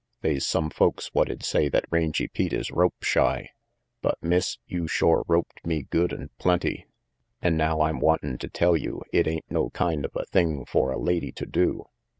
They's some folks what'd say that Rangy Pete is rope shy; but, Miss, you shore roped me good and plenty. An' now I'm wantin' to tell you it ain't no kind of a thing for a lady to do."